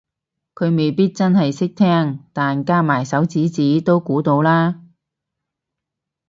佢未必真係識聽但加埋手指指都估到啦